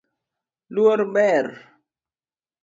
Luor ber